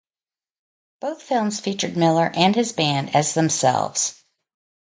Both films featured Miller and his band as themselves.